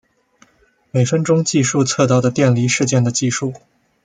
每分钟计数测到的电离事件的计数。